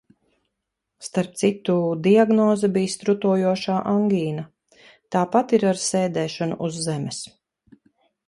Starp citu, diagnoze bija strutojošā angīna. Tāpat ir ar sēdēšanu uz zemes.